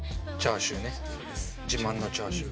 自慢のチャーシュー。